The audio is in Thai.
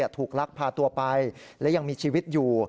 ลักพาตัวไปและยังมีชีวิตอยู่